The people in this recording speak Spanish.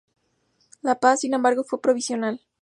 La paz, sin embargo, fue provisional.